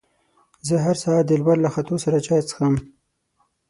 زه هر سهار د لمر له ختو سره چای څښم.